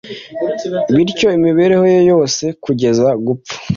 Bityo, imibereho ye yose kugeza gupfa,